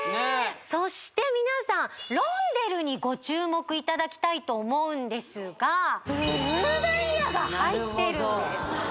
そして皆さんロンデルにご注目いただきたいと思うんですがが入っているんです